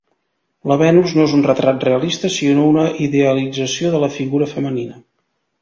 La Venus no és un retrat realista sinó una idealització de la figura femenina.